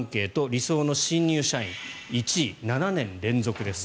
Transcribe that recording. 理想の新入社員１位、７年連続です。